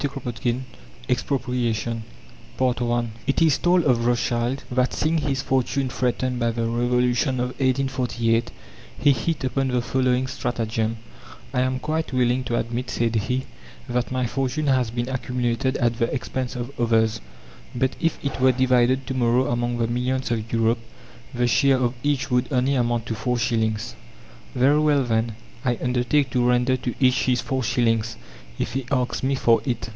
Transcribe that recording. CHAPTER IV EXPROPRIATION I It is told of Rothschild that, seeing his fortune threatened by the Revolution of 1848, he hit upon the following stratagem: "I am quite willing to admit," said he, "that my fortune has been accumulated at the expense of others; but if it were divided to morrow among the millions of Europe, the share of each would only amount to four shillings. Very well, then, I undertake to render to each his four shillings if he asks me for it."